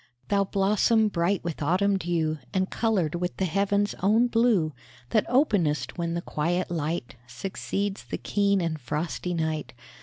Thou blossom bright with autumn dew, And coloured with the heaven's own blue, That openest when the quiet light Succeeds the keen and frosty night.